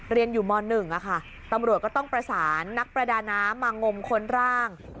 เรียนอยู่ม๑ตำรวจก็ต้องประสานนักประดาน้ำมางมค้นร่าง